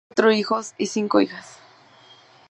Dejó cuatro hijos y cinco hijas.